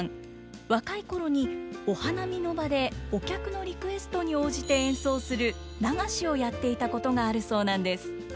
若い頃にお花見の場でお客のリクエストに応じて演奏する流しをやっていたことがあるそうなんです。